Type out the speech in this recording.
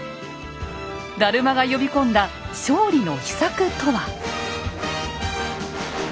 達磨が呼び込んだ勝利の秘策とは？